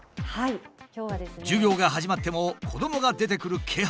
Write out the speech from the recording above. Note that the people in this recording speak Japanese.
授業が始まっても子どもが出てくる気配はない。